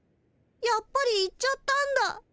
やっぱり行っちゃったんだ。